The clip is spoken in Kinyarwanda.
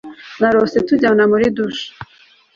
cyangwa ati narose tujyana muri douche